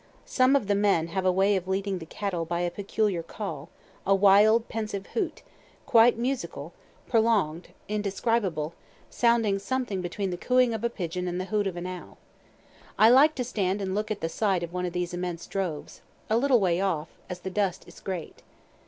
Some of the men have a way of leading the cattle by a peculiar call, a wild, pensive hoot, quite musical, prolong'd, indescribable, sounding something between the cooing of a pigeon and the hoot of an owl. I like to stand and look at the sight of one of these immense droves a little way off (as the dust is great.)